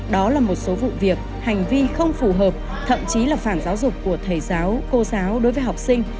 đó là một số vụ việc hành vi không phù hợp thậm chí là phản giáo dục của thầy giáo cô giáo đối với học sinh